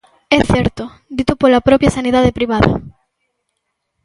É certo, dito pola propia sanidade privada.